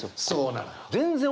そうなのよ。